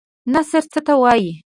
نثر څه ته وايي؟